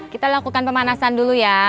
kita lakukan pemanasan dulu ya